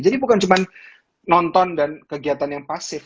jadi bukan cuma nonton dan kegiatan yang pasif